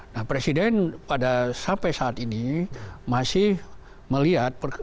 nah presiden pada sampai saat ini masih melihat